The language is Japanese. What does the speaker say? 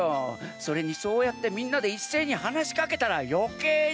それにそうやってみんなでいっせいにはなしかけたらよけいに！